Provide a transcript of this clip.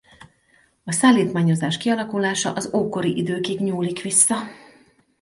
A szállítmányozás kialakulása az ókori időkig nyúlik vissza.